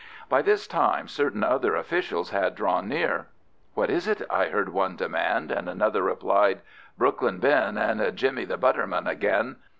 By this time certain other officials had drawn near. "What is it?" I heard one demand, and another replied, "Brooklyn Ben and Jimmie the Butterman again.